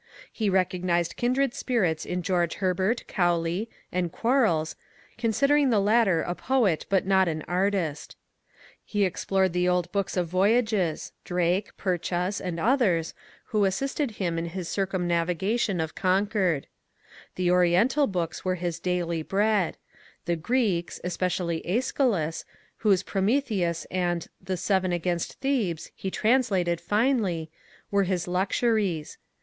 He recognized kindred spirits in George Herbert, Cowley, and Quarles, considering the latter a poet but not an artist. He ex plored the old books of voyages — Drake, Purchas, and others, who assisted him in his circumnavigation of Concord. The Oriental books were his daily bread ; the Greeks (especially ^schylus, whose "Prometheus" and "The Seven against Thebes " he translated finely) were his luxuries.